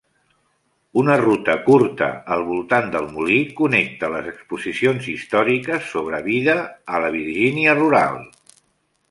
Una ruta curta al voltant del molí connecta les exposicions històriques sobre vida a la Virgínia rural.